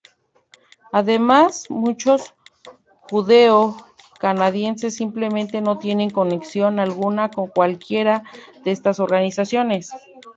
Además, muchos judeo-canadienses simplemente no tienen conexión alguna con cualquiera de estas organizaciones.